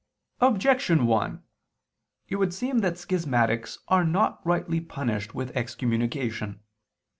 Objection 1: It would seem that schismatics are not rightly punished with excommunication.